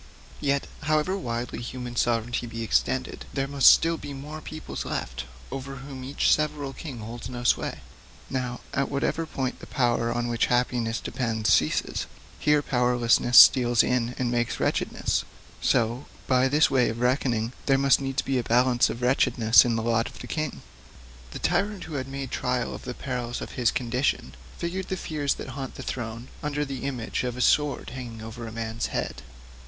Yet, however widely human sovereignty be extended, there must still be more peoples left, over whom each several king holds no sway. Now, at whatever point the power on which happiness depends ceases, here powerlessness steals in and makes wretchedness; so, by this way of reckoning, there must needs be a balance of wretchedness in the lot of the king. The tyrant who had made trial of the perils of his condition figured the fears that haunt a throne under the image of a sword hanging over a man's head.